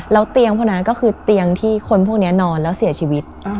แล้วเตียงพวกนั้นก็คือเตียงที่คนพวกนี้นอนแล้วเสียชีวิต